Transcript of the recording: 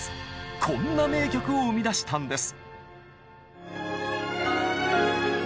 こんな名曲を生み出したんです！